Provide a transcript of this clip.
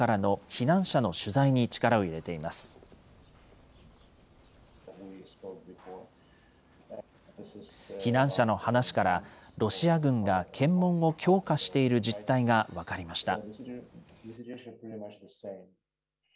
避難者の話から、ロシア軍が検問を強化している実態が分かりました。